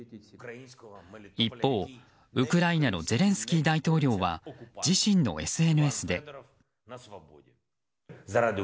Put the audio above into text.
一方、ウクライナのゼレンスキー大統領は自身のＳＮＳで。